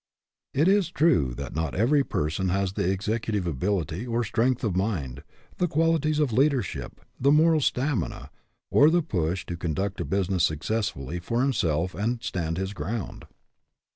It is true that not every person has the executive ability or strength of mind, the qualities of leadership, the moral stamina, or the push to conduct a business successfully for himself and stand his ground.